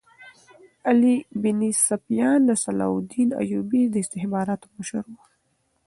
علي بن سفیان د صلاح الدین ایوبي د استخباراتو مشر وو.